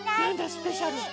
スペシャル！